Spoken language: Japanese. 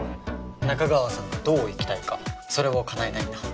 仲川さんがどう生きたいかそれをかなえたいんだ。